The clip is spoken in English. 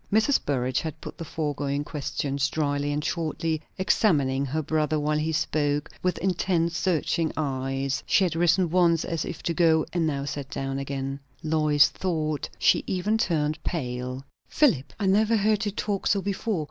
Mrs. Burrage had put the foregoing questions dryly and shortly, examining her brother while he spoke, with intent, searching eyes. She had risen once as if to go, and now sat down again. Lois thought she even turned pale. "Philip! I never heard you talk so before.